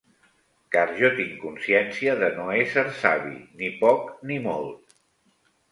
Car jo tinc consciència de no ésser savi, ni poc ni molt.